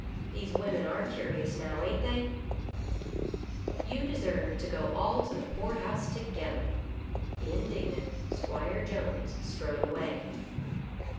These women are curious now, ain't they "" You deserve to go all to the poorhouse together." Indignant 'Squire Jones strode away.